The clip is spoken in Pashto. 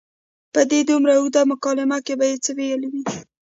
په دې دومره اوږده مکالمه کې به یې څه ویلي وي.